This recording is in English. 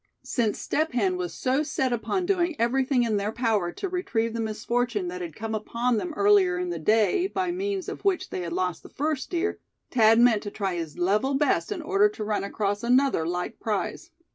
Since Step Hen was so set upon doing everything in their power to retrieve the misfortune that had come upon them earlier in the day, by means of which they had lost the first deer, Thad meant to try his level best in order to run across another like prize.